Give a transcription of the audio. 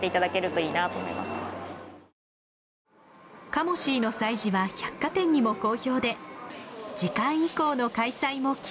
カモシーの催事は百貨店にも好評で次回以降の開催も決まりました。